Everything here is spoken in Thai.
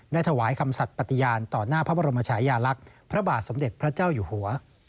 ถวายคำสัตว์ปฏิญาณต่อหน้าพระบรมชายาลักษณ์พระบาทสมเด็จพระเจ้าอยู่หัว